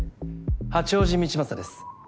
八王子道正です。